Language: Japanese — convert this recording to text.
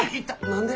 何で。